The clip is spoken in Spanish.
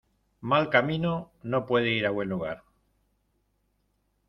Mal camino no puede ir a buen lugar.